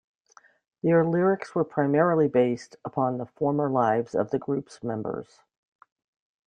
Their lyrics were primarily based upon the former lives of the group's members.